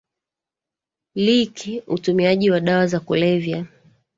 liki utumiaji wa dawa za kulevya